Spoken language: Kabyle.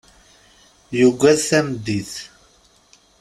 Yuggad tameddit.